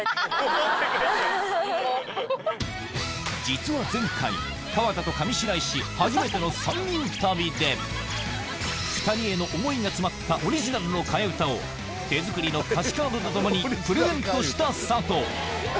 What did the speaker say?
実は前回川田と上白石初めての３人旅で２人への思いが詰まったオリジナルの替え歌を手作りの歌詞カードと共にプレゼントした佐藤